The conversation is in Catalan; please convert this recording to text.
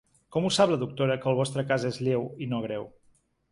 Com ho sap la doctora que el vostre cas és lleu i no greu?